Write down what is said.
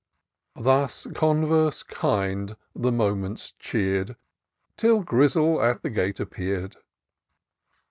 Thus converse kind the moments cheer*d, Till Grizzle at the gate appeared.